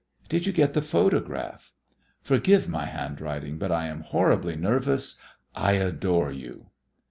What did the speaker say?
Did you get the photograph? "Forgive my handwriting, but I am horribly nervous. I adore you."